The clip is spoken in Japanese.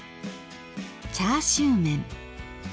「チャーシューメン」